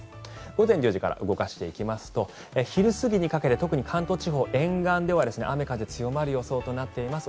午前１０時から動かしていきますと昼過ぎにかけて特に関東地方沿岸では雨、風強まる予想となっています。